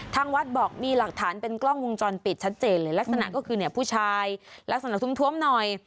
ทางวัดบอกมีหลักฐานเป็นกล้องวงจรปิดชัดเจนเลยลักษณะก็คือเนี่ยผู้ชายลักษณะทุ่มหน่อย